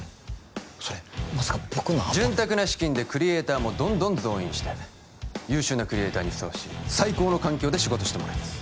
それまさか僕のアパ潤沢な資金でクリエイターもどんどん増員して優秀なクリエイターにふさわしい最高の環境で仕事してもらいます